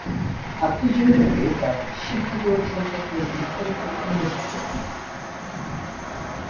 আত্মজীবনীতে তার শিক্ষাজীবন সম্পর্কে বিস্তারিত উল্লেখ করেছেন।